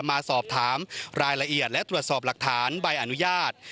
มาสอบถามรายละเอียดและตรวจสอบหลักฐานใบอนุญาต